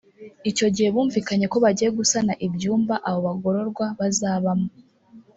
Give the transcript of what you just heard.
Icyo gihe bumvikanye ko bagiye gusana ibyumba abo bagororwa bazabamo